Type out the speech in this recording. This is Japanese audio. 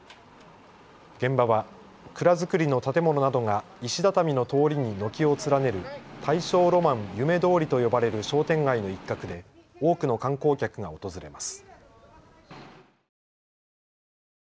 現場は蔵造りの建物などが石畳の通りに軒を連ねる大正浪漫夢通りと呼ばれる商店街の一角で多くの観光客が訪れます。